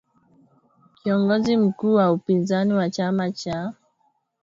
kiongozi mkuu wa upinzani wa chama cha